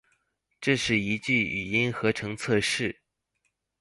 这是一句语音合成测试